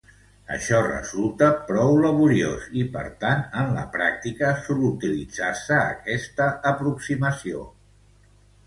Açò resulta prou laboriós i per tant, en la pràctica, sol utilitzar-se aquesta aproximació.